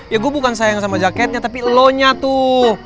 ya gue bukan sayang sama jaketnya tapi lo nya tuh